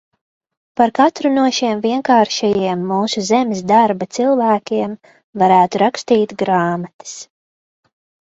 Par katru no šiem vienkāršajiem mūsu zemes darba cilvēkiem varētu rakstīt grāmatas.